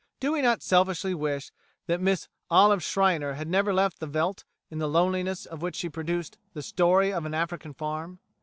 Do we not selfishly wish that Miss Olive Schreiner had never left the veldt, in the loneliness of which she produced "The Story of an African Farm"?